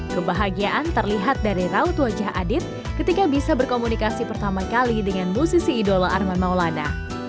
kebahagiaan terlihat dari raut wajah adit ketika bisa berkomunikasi pertama kali dengan musisi idola arman maulana